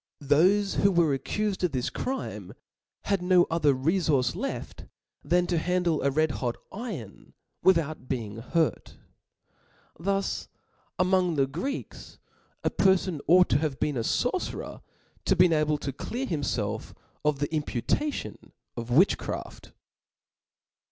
Thofe who were accuied of this crime, had no other refource left than to handle a red hot iron without being hurt. Thus among the Greeks a perfon ought to have been a forcerer to be able to clear himfelf of the impu tation of witchcraft.